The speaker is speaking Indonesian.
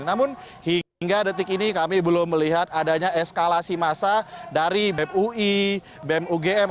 namun hingga detik ini kami belum melihat adanya eskalasi massa dari bem ui bem ugm